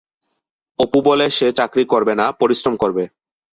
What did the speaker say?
অপু বলে সে চাকরি করবে না, পরিশ্রম করবে।